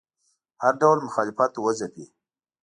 هر ډول مخالفت وځپي